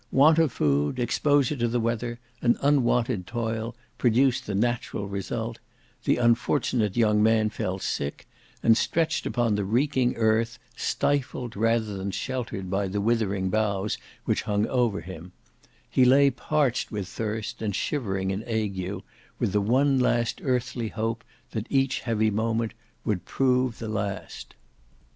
Want of food, exposure to the weather, and unwonted toil, produced the natural result; the unfortunate young man fell sick, and stretched upon the reeking earth, stifled, rather than sheltered, by the withering boughs which hung over him; he lay parched with thirst, and shivering in ague, with the one last earthly hope, that each heavy moment would prove the last.